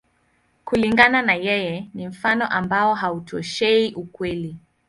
Kulingana na yeye, ni mfano ambao hautoshei ukweli.